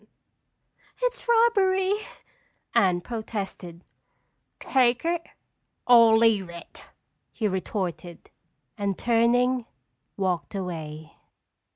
"It's robbery!" Anne protested. "Take it or leave it," he retorted, and turning, walked away.